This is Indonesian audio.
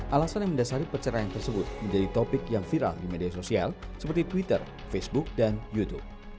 alasan yang mendasari perceraian tersebut menjadi topik yang viral di media sosial seperti twitter facebook dan youtube